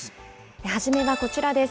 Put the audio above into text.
初めはこちらです。